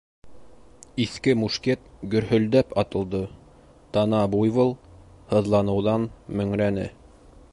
Иҫке мушкет гөрһөлдәп атылды, тана буйвол һыҙланыуҙан мөңрәне.